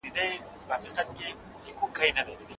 د کتاب لوستل انسان ته د ستونزو د حل نوې لارې ور ښيي.